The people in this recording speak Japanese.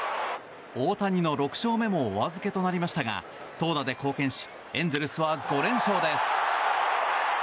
大谷の６勝目もお預けとなりましたが投打で貢献しエンゼルスは５連勝です。